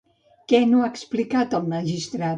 Què no ha aplicat el magistrat?